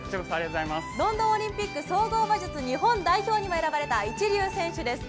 ロンドンオリンピック総合馬術日本代表にも選ばれた一流選手です。